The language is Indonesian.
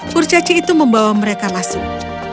kurcaci itu membawa mereka masuk